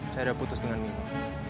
saya udah putus dengan ini